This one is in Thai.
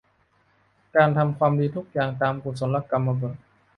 การทำความดีทุกอย่างตามกุศลกรรมบถ